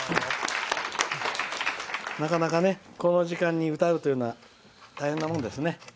なかなかこの時間に歌うっていうのは大変なもんですね。